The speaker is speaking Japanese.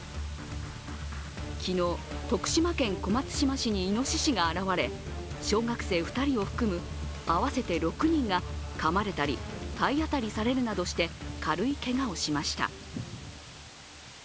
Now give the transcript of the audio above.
昨日、徳島県小松島市にいのししが現れ小学生２人を含む合わせて６人がかまれたり体当たりされるなどして軽いけがをしました。